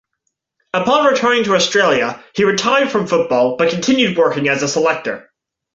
Upon returning to Australia he retired from football but continued working as a selector.